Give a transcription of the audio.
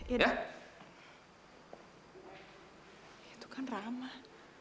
itu kan ramah